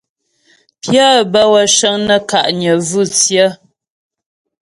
Pyə́ bə́wə́ cəŋ nə́ ka'nyə vú tsyə.